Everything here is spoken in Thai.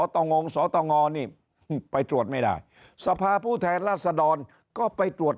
ตรงงสตงนี่ไปตรวจไม่ได้สภาผู้แทนราษดรก็ไปตรวจ